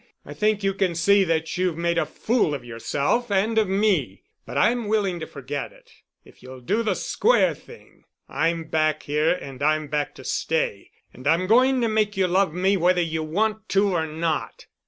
I think you can see that you've made a fool of yourself and of me. But I'm willing to forget it, if you'll do the square thing. I'm back here and I'm back to stay—and I'm going to make you love me whether you want to or not."